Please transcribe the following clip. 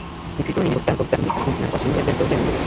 Existe una importante implantación del sector del mueble.